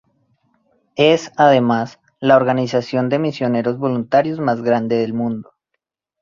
Es, además, la organización de misioneros voluntarios más grande del mundo.